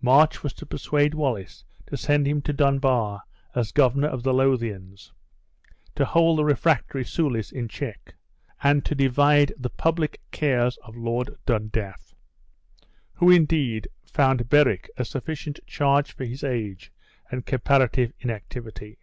March was to persuade Wallace to send him to Dunbar as governor of the Lothiaus, to hold the refractory Soulis in check; and to divide the public cares of Lord Dundaff; who, indeed, found Berwick a sufficient charge for his age and comparative inactivity.